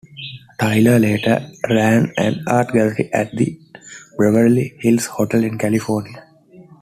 Taylor later ran an art gallery at The Beverly Hills Hotel in California.